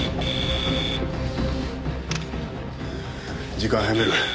時間を早める。